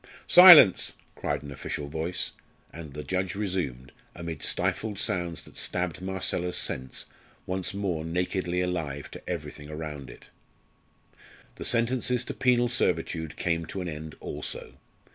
"Silence!" cried an official voice, and the judge resumed, amid stifled sounds that stabbed Marcella's sense, once more nakedly alive to everything around it. The sentences to penal servitude came to an end also.